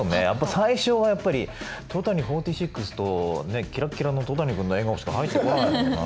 最初はやっぱり「戸谷４６」とキラッキラの戸谷君の笑顔しか入ってこないもんな。